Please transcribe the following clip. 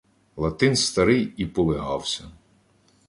Латин старий і полигався